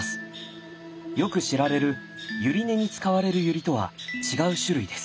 よく知られるユリ根に使われるユリとは違う種類です。